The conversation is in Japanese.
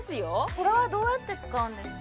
これはどうやって使うんですか？